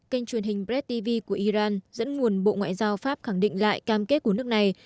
kênh truyền hình brediv của iran dẫn nguồn bộ ngoại giao pháp khẳng định lại cam kết của nước này